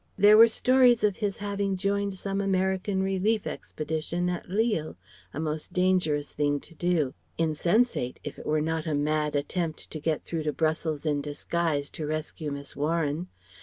There were stories of his having joined some American Relief Expedition at Lille a most dangerous thing to do; insensate, if it were not a mad attempt to get through to Brussels in disguise to rescue Miss Warren.